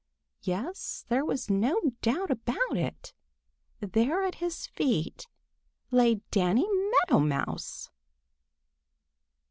Yes, there was no doubt about it—there at his feet lay Danny Meadow Mouse!